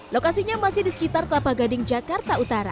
lokasinya masih di sekitar kelapa gading jakarta utara